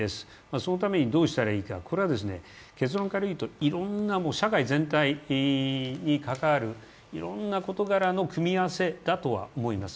そのためにどうしたらいいか、結論から言うと、社会全体に関わるいろいろな事柄の組み合わせだとは思います。